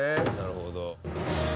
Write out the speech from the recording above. なるほど。